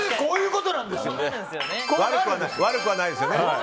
悪くはないですよね。